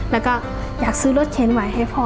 แล้วก็อยากซื้อรถเข็นไว้ให้พ่อ